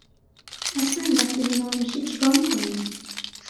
اصلن وقتی بیمار میشید چی کار میکنین؟